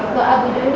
buat abu jundi